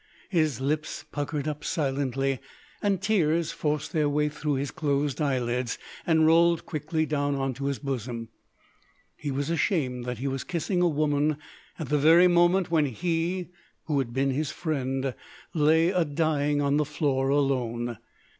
His lips puckered up silently, and tears forced their way through his closed eyelids, and rolled quickly down on to his bosom. He was ashamed that he was kissing a woman at the very moment when he, who had been his friend, lay a dying on the floor alone.